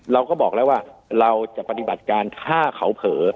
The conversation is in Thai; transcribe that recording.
เราก็บอกแล้วว่าเราจะปฏิบัติการฆ่าเขาเผลอ